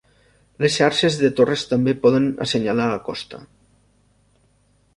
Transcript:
Les xarxes de torres també poden assenyalar la costa.